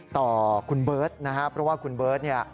ต่อคุณเบิร์ตนะครับเพราะว่าคุณเบิร์ตเนี่ย